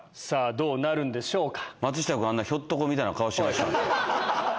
どうなるんでしょうか？